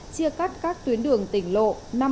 chia cắt các tuyến đường tỉnh lộ năm trăm tám mươi sáu